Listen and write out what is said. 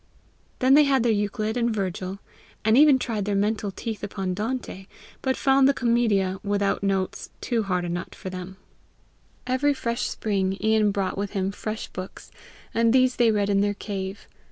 Then they had their Euclid and Virgil and even tried their mental teeth upon Dante, but found the Commedia without notes too hard a nut for them. Every fresh spring, Ian brought with him fresh books, and these they read in their cave.